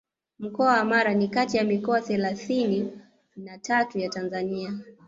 Mkoa wa Mara ni kati ya mikoa thelathini na tatu ya Tanzania